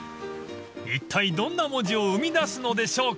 ［いったいどんな文字を生み出すのでしょうか］